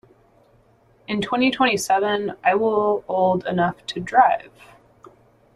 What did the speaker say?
In twenty-twenty-seven I will old enough to drive.